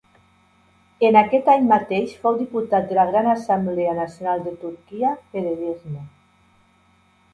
En aquest any mateix fou diputat de la Gran Assemblea Nacional de Turquia per Edirne.